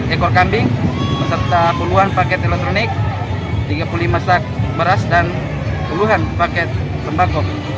tiga ekor kambing sepuluh paket elektronik tiga puluh lima sak beras dan sepuluh paket tembakong